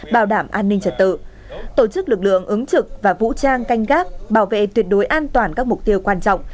bảo đảm an ninh trật tự tổ chức lực lượng ứng trực và vũ trang canh gác bảo vệ tuyệt đối an toàn các mục tiêu quan trọng